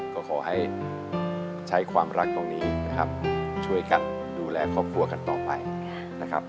ก็ขอให้ใช้ความรักตรงนี้นะครับช่วยกันดูแลครอบครัวกันต่อไปนะครับ